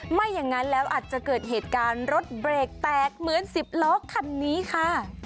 ไม่อย่างนั้นแล้วอาจจะเกิดเหตุการณ์รถเบรกแตกเหมือน๑๐ล้อคันนี้ค่ะ